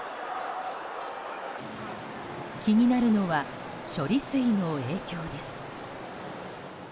気になるのは処理水の影響です。